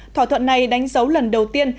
thỏa thuận này đánh dấu lần đầu tiên